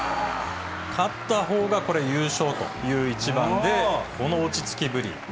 勝ったほうがこれ、優勝という一番で、この落ち着きぶり。